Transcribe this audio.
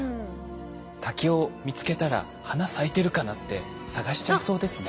竹を見つけたら花咲いてるかなって探しちゃいそうですね。